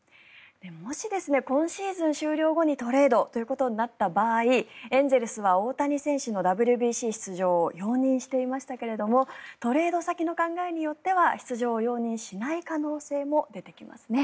もし、今シーズン終了後にトレードということになった場合エンゼルスは大谷選手のＷＢＣ出場を容認していましたけれどもトレード先の考えによっては出場を容認しない可能性も出てきますね。